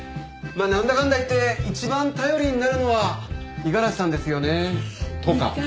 まあ何だかんだ言って一番頼りになるのは五十嵐さんですよね。とか。